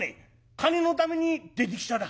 金のために出てきただ。